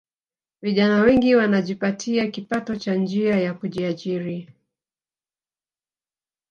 Vijana wengi wanajipatia kipato kwa njia ya kujiajiri